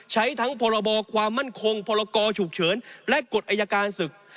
ใช้ทั้งพรบความมั่นคงพลกฉุกเฉินและกฎอายการศึก